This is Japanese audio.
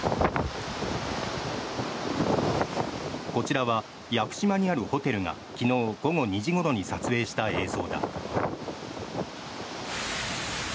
こちらは屋久島にあるホテルが昨日午後２時ごろに撮影した映像だ。